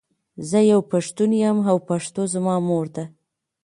زۀ یو پښتون یم او پښتو زما مور ده.